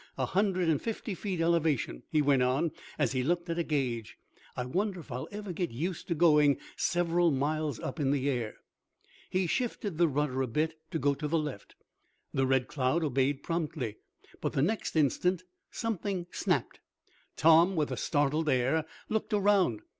A hundred and fifty feet elevation," he went on, as he looked at a gauge. "I wonder if I'll ever get used to going several miles up in the air?" He shifted the rudder a bit, to go to the left. The Red Cloud obeyed promptly, but, the next instant something snapped. Tom, with a startled air, looked around.